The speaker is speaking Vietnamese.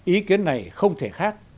ý kiến này không thể khác